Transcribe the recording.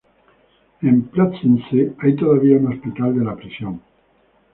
En Plötzensee hay todavía un hospital de la prisión.